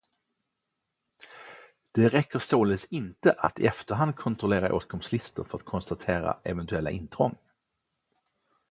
Det räcker således inte att i efterhand kontrollera åtkomstlistor för att konstatera eventuella intrång.